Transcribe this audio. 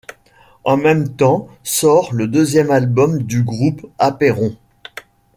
En même temps sort le deuxième album du groupe Apeiron.